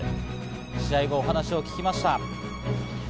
試合後、お話を聞きました。